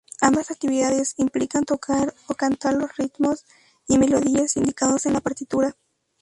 Ambas actividades implican tocar o cantar los ritmos y melodías indicados en la partitura.